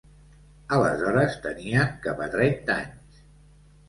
Aleshores tenien cap a trenta anys.